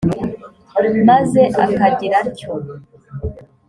maze agakira atyo.